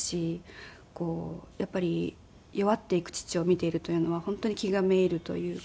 やっぱり弱っていく父を見ているというのは本当に気が滅入るというか。